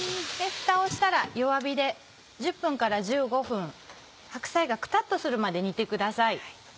フタをしたら弱火で１０分から１５分白菜がクタっとするまで煮てください。